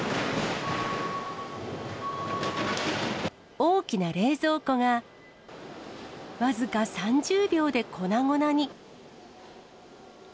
大きな冷蔵庫が、僅か３０秒で粉々に。